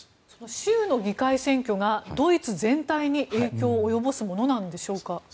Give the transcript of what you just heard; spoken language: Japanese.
州の議会選挙がドイツ全体に影響を及ぼすものなんでしょうか。